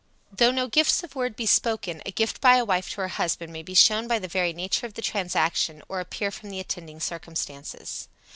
Though no words of gift be spoken, a gift by a wife to her husband may be shown by the very nature of the transaction, or appear from the attending circumstances.